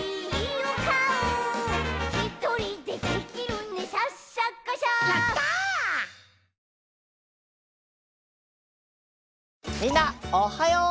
みんなおはよう！